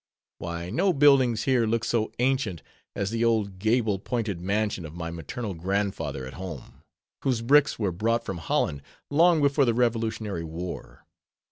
Why, no buildings here look so ancient as the old gable pointed mansion of my maternal grandfather at home, whose bricks were brought from Holland long before the revolutionary war!